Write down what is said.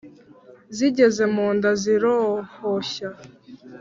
zigeze mu nda zirohoshya.